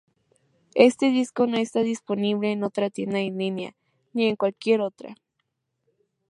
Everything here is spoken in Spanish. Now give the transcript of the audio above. Este disco no está disponible en otra tienda en línea, ni en cualquier otra.